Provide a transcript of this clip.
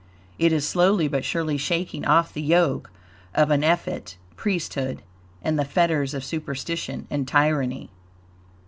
It is slowly but surely shaking off the yoke of an effete priesthood and the fetters of superstition and tyranny.